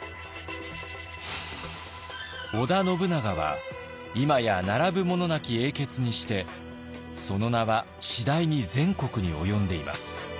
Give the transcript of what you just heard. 「織田信長は今や並ぶものなき英傑にしてその名は次第に全国に及んでいます」。